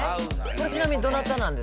これちなみにどなたなんですか？